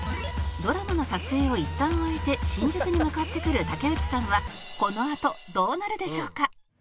「ドラマの撮影をいったん終えて新宿に向かってくる竹内さんはこのあとどうなるでしょうか？」